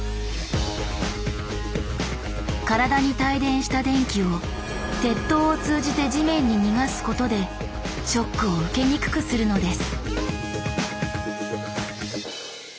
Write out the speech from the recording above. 体に帯電した電気を鉄塔を通じて地面に逃がすことでショックを受けにくくするのです。